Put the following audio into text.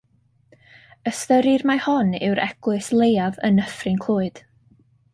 Ystyrir mai hon yw'r eglwys leiaf yn Nyffryn Clwyd.